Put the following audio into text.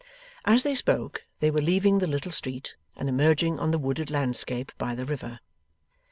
As they spoke they were leaving the little street and emerging on the wooded landscape by the river.